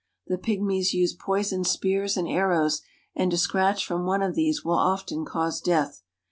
The pygmies use poisoned spears and arrows, and a scratch from one of these will often cause death.